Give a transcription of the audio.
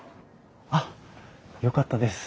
あっよかったです。